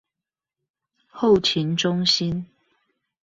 後勤中心